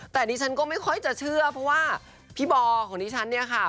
แต่ดิฉันก็ไม่ค่อยจะเชื่อเพราะว่าพี่บอของดิฉันเนี่ยค่ะ